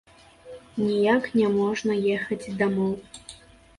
Ніяк няможна ехаць дамоў.